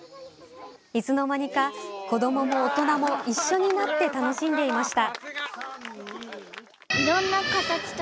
いつの間にか子どもも大人も一緒になって楽しんでいました。